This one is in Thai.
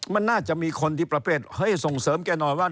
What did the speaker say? มันน่าจะมีคนที่ประเภทเฮ้ยส่งเสริมแกหน่อยว่า